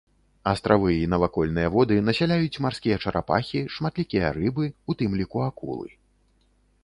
Астравы і навакольныя воды насяляюць марскія чарапахі, шматлікія рыбы, у тым ліку акулы.